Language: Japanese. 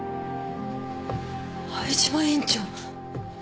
灰島院長。